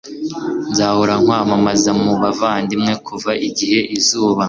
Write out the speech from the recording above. nzahora nkwamamaza mu bavandimwe; kuva igihe izuba